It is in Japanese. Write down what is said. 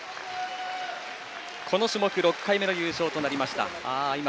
この種目６回目の優勝となりました。